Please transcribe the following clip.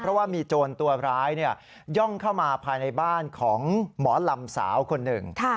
เพราะว่ามีโจรตัวร้ายย่องเข้ามาภายในบ้านของหมอลำสาวคนหนึ่ง